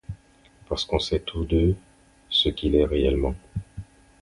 Parce qu'on sait tous deux ce qu'il est réellement.